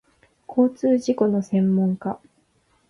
交通事故の専門家